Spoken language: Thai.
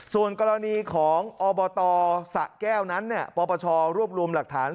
ส่วนกรณีของอบตสะแก้วนั้นปปชรวบรวมหลักฐาน